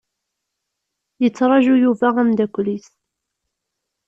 Yettraju Yuba ameddakel-is.